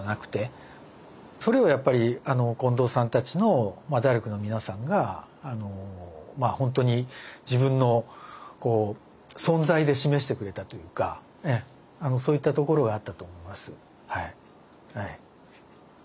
それをやっぱり近藤さんたちのダルクの皆さんが本当に自分の存在で示してくれたというかそういったところがあったと思います。